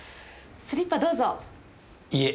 スリッパどうぞいえ